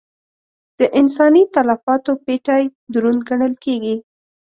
د انساني تلفاتو پېټی دروند ګڼل کېږي.